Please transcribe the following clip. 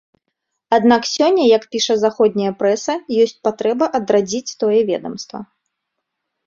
Аднак сёння, як піша заходняя прэса, ёсць патрэба адрадзіць тое ведамства.